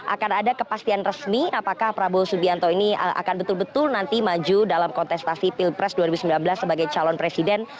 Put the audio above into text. akan ada kepastian resmi apakah prabowo subianto ini akan betul betul nanti maju dalam kontestasi pilpres dua ribu sembilan belas sebagai calon presiden